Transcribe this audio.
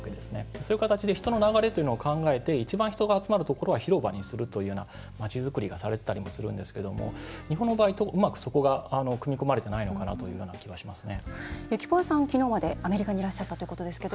そういう形で人の流れを考えて一番、人が集まるところは広場になるっていうまちづくりがされていたりするんですが日本の場合はそこがうまく組み込めてないのかなという気がしますね。